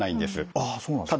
ああそうなんですか。